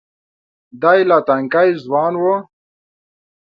دی لا تنکی ځوان و.